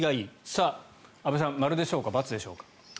さあ、安部さん○でしょうか、×でしょうか。